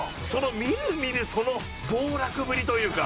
みるみるその暴落ぶりというか。